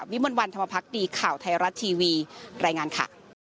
มนต์วันธรรมพักดีข่าวไทยรัฐทีวีรายงานค่ะ